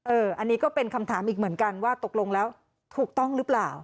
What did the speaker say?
อันนี้ก็เป็นคำถามอีกเหมือนกันว่าตกลงแล้วถูกต้องหรือเปล่า